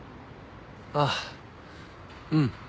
あっうん。